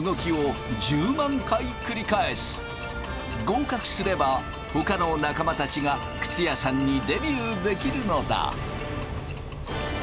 合格すればほかの仲間たちが靴屋さんにデビューできるのだ！